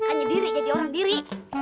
hanya diri jadi orang diri